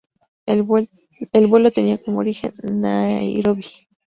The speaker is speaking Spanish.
El vuelo tenía como origen Nairobi.